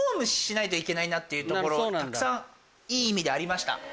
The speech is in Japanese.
っていうところたくさんいい意味でありました。